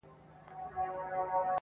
رقیبانو په پېغور ډېر په عذاب کړم-